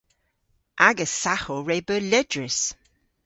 Agas saghow re beu ledrys.